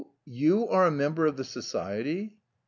you are a member of the society?"